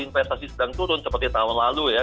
investasi sedang turun seperti tahun lalu ya